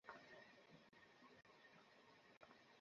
দোস্ত, স্বাতী আসছে।